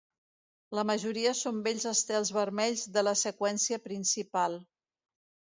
La majoria són vells estels vermells de la seqüència principal.